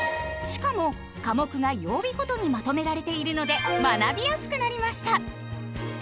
しかも科目が曜日ごとにまとめられているので学びやすくなりました！